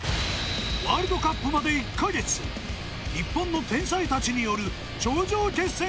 ワールドカップまで１か月日本の天才達による頂上決戦